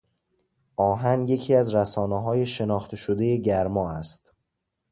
آهن یکی از رساناهای شناخته شدهی گرما است.